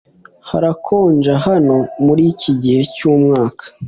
Harakonja hano muriki gihe cyumwaka